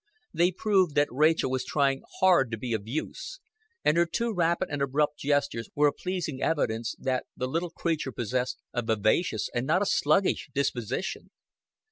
They proved that Rachel was trying hard to be of use, and her too rapid and abrupt gestures were a pleasing evidence that the little creature possessed a vivacious and not a sluggish disposition.